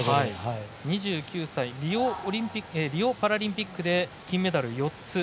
２９歳リオパラリンピックで金メダル４つ。